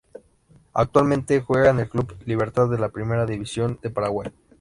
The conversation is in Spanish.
Actualmente juega en el Club Libertad de la Primera División de Paraguay